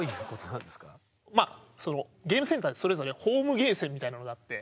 ゲームセンターにそれぞれホームゲーセンみたいのがあって。